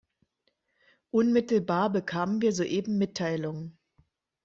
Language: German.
Unmittelbar bekamen wir soeben Mitteilungen.